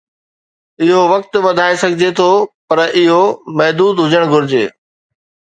اهو وقت وڌائي سگهجي ٿو" پر اهو محدود هجڻ گهرجي.